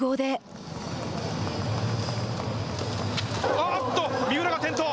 あーっと三浦が転倒。